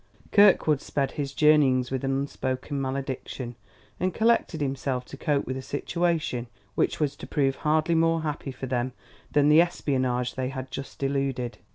Kirkwood sped his journeyings with an unspoken malediction, and collected himself to cope with a situation which was to prove hardly more happy for them than the espionage they had just eluded.